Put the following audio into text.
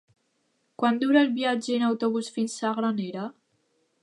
Quant dura el viatge en autobús fins a Granera?